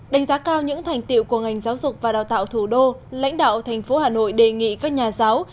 đánh giá cao những thành tiệu của ngành giáo dục và đào tạo thủ đô lãnh đạo thành phố hà nội đề nghị các nhà giáo